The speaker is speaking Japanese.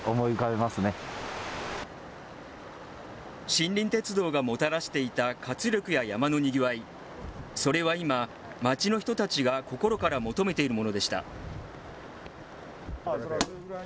森林鉄道がもたらしていた活力や山のにぎわい、それは今、町の人たちが心から求めているものでした。